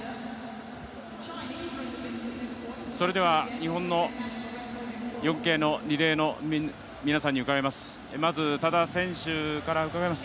日本の４継のリレーの皆さんに伺います。